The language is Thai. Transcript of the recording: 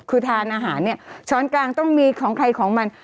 คือทานอาหารเนี่ยช้อนกลางต้องมีของใครของมัน